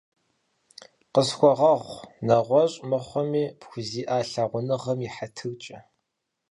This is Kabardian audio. Къысхуэгъэгъу, нэгъуэщӀ мыхъуми, пхузиӀа лъагъуныгъэм и хьэтыркӀэ.